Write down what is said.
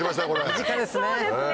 身近ですね。